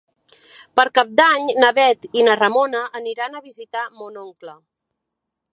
Per Cap d'Any na Bet i na Ramona aniran a visitar mon oncle.